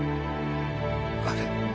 あれ？